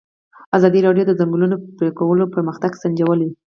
ازادي راډیو د د ځنګلونو پرېکول پرمختګ سنجولی.